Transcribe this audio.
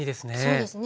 そうですね。